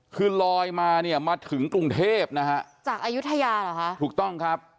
คือลอยมาเนี่ยมาถึงกรุงเทพนะฮะจากอายุทยาเหรอคะถูกต้องครับ